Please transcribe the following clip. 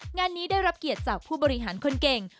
งานนี้ได้รับเกียรติจากผู้บริหารคนเก่ง